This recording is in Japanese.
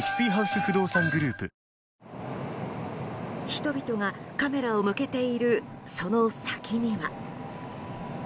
人々がカメラを向けているその先には。